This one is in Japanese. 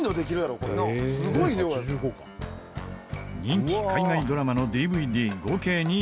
人気海外ドラマのＤＶＤ合計２０１点